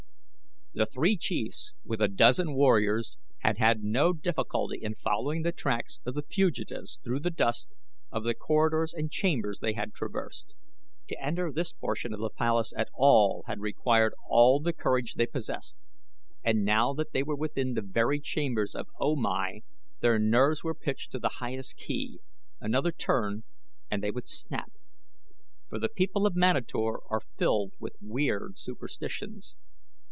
The three chiefs with a dozen warriors had had no difficulty in following the tracks of the fugitives through the dust of the corridors and chambers they had traversed. To enter this portion of the palace at all had required all the courage they possessed, and now that they were within the very chambers of O Mai their nerves were pitched to the highest key another turn and they would snap; for the people of Manator are filled with weird superstitions.